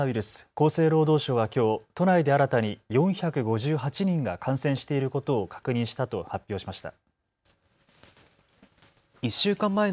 厚生労働省はきょう都内で新たに４５８人が感染していることを確認したと発表しました。